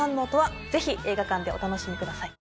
ぜひ映画館でお楽しみください。